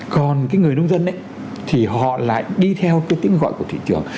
còn cái người nông dân ấy thì họ lại đi theo cái tiếng gọi của thị trường